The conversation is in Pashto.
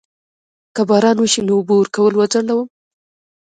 که باران وشي نو اوبه ورکول وځنډوم؟